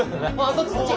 そっちそっち。